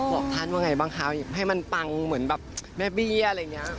บอกท่านว่าไงบ้างคะให้มันปังเหมือนแบบแม่เบี้ยอะไรอย่างนี้